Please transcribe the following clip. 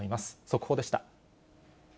速報でした。